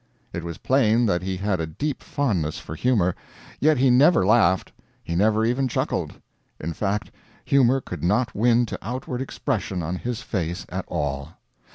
It was plain that he had a deep fondness for humor, yet he never laughed; he never even chuckled; in fact, humor could not win to outward expression on his face at all.